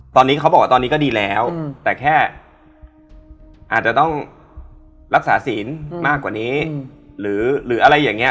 ตอนนี้เขาบอกว่าตอนนี้ก็ดีแล้วแต่แค่อาจจะต้องรักษาศีลมากกว่านี้หรืออะไรอย่างนี้